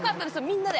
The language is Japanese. みんなで。